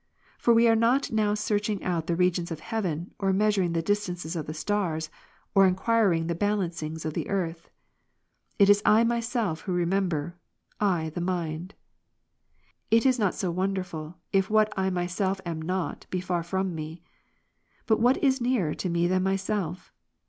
For we are not now searching out the regions of heaven, or measuring the distances of the stars, or enquiring the balancings of the earth. It is I myself who remember, I the mind. It is not so wonderful, if what I myself am not, be far from me. But what is nearer to me^than myself